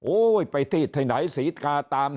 โอ้ยไปที่ไหนสีตาตามแห่ง